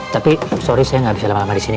tapi sorry saya gak besar lama di sini